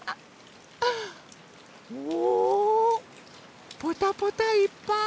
おポタポタいっぱい。